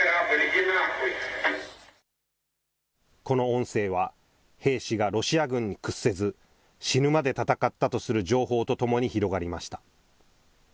この音声は兵士がロシア軍に屈せず死ぬまで戦ったとする情報とともに広がりました。